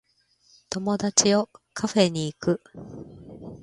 友達をカフェに行く